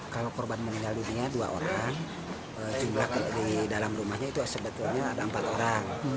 kalau korban meninggal dunia dua orang jumlah di dalam rumahnya itu sebetulnya ada empat orang